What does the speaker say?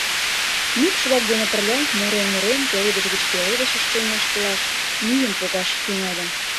Мӱкш-влак дене пырля, мурен-мурен, пеледыш гыч пеледышыш чоҥештылаш, мӱйым погаш тӱҥальым.